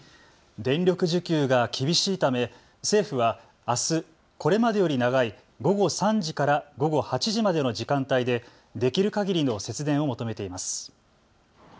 電力需給が厳しいため政府はあす、これまでより長い午後３時から午後８時までの時間帯で、できるかぎりの節電を求めています。